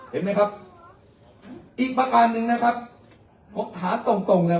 เห็นไหมครับอีกประการหนึ่งนะครับผมถามตรงตรงเลย